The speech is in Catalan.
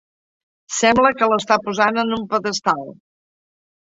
Sembla que l'està posant en un pedestal.